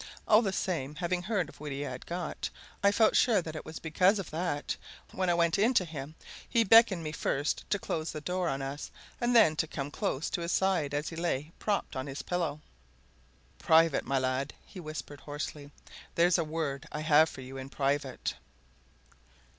All the same, having heard of what he had got, I felt sure that it was because of it that, when I went in to him, he beckoned me first to close the door on us and then to come close to his side as he lay propped on his pillow. "Private, my lad!" he whispered hoarsely. "There's a word I have for you in private!"